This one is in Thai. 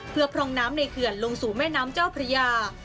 เพื่อพร่องน้ำในเขื่อนลงสู่แม่น้ำเจ้าพระยา